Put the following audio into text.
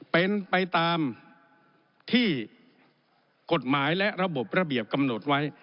เป็นไปตามที่กฎหมายและระบบระเบียบกำหนดไว้